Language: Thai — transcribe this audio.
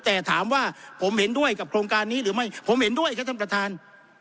แต่ถามว่าผมเห็นด้วยกับโครงการนี้หรือไม่ผมเห็นด้วยครับท่านประธาน